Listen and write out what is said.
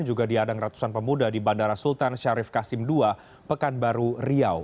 juga diadang ratusan pemuda di bandara sultan syarif kasim ii pekanbaru riau